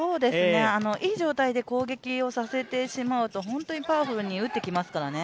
いい状態で攻撃をさせてしまうと本当にパワフルに打ってきますからね。